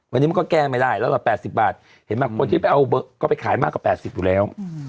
วันนี้มันก็แก้ไม่ได้มันแปดสิบบาทเห็นไหมคนที่ไปเอาเบอะก็ไปขายมากกว่าแปดสิบอยู่แล้ว